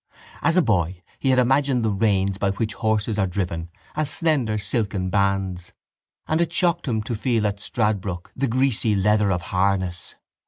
As a boy he had imagined the reins by which horses are driven as slender silken bands and it shocked him to feel at Stradbrooke the greasy leather of harness.